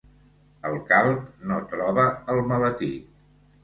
El calb no troba el maletí.